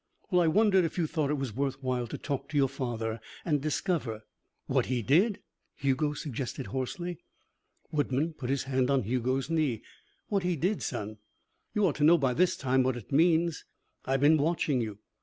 "Well, I wondered if you thought it was worth while to talk to your father and discover " "What he did?" Hugo suggested hoarsely. Woodman put his hand on Hugo's knee. "What he did, son. You ought to know by this time what it means. I've been watching you.